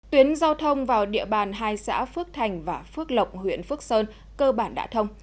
tuyến giao thông vào địa bàn hai xã phước thành và phước lộc huyện phước sơn cơ bản đã thông